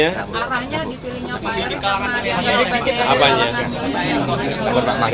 ya sudah saya sudah disalih